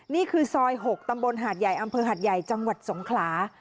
นี่คือซอย๖ตำบลหาดใหญ่อำเภอหาดใหญ่จังหวัดสงขลา